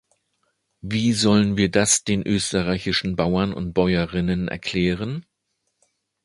Wie sollen wir das den österreichischen Bauern und Bäuerinnen erklären?